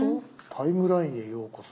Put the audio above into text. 「タイムラインへようこそ」。